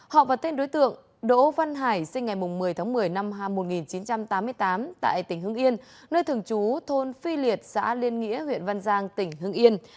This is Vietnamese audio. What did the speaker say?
họ và tên đối tượng đỗ văn hải sinh ngày một mươi tháng một mươi năm một nghìn chín trăm tám mươi tám tại tỉnh hưng yên nơi thường trú thôn phi liệt xã liên nghĩa huyện văn giang tỉnh hưng yên